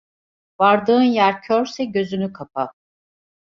Vardığın yer körse gözünü kapa.